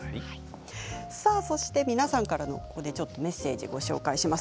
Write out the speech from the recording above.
そして、皆さんからのメッセージをご紹介します。